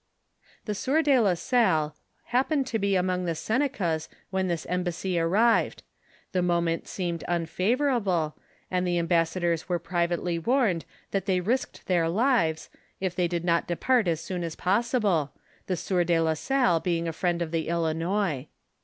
The sieur do la Salle happened to be among the Senecas when this embassy arrived ; the moment seemed unfavorable, and the embassadors were privately warned that they risked their lives, if they did not dejiart as soon as possible, the sieur de la Salle being a friend of the Ilinois.